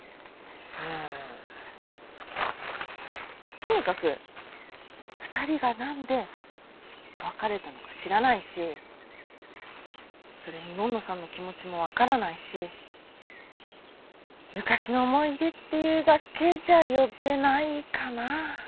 とにかく２人が何で別れたのか知らないしそれにのんのさんの気持ちも分からないし昔の思い出っていうだけじゃ呼べないかな。